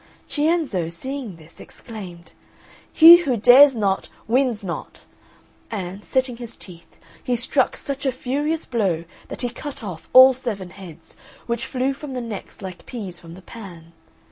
Cienzo, seeing this, exclaimed, "He who dares not, wins not"; and, setting his teeth, he struck such a furious blow that he cut off all seven heads, which flew from the necks like peas from the pan.